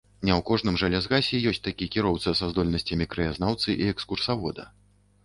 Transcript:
Не ў кожным жа лясгасе ёсць такі кіроўца са здольнасцямі краязнаўцы і экскурсавода!